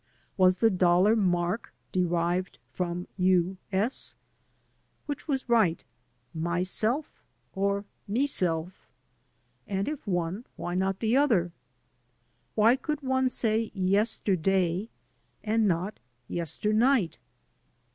Was the dollar mark derived from TJ. S.? Which was right, "myself" or "meself ? And if one, why not the other? Why could one say "yesterday and not "yesternight"?